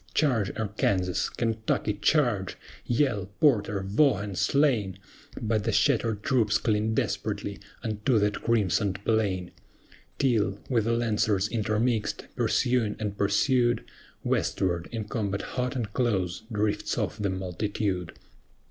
Charge, ARKANSAS! KENTUCKY, charge! YELL, PORTER, VAUGHAN, are slain. But the shattered troops cling desperately unto that crimsoned plain; Till, with the Lancers intermixed, pursuing and pursued, Westward, in combat hot and close, drifts off the multitude.